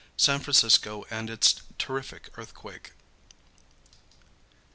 San Francisco and Its Terrific Earthquake.